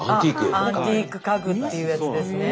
アンティーク家具っていうやつですね？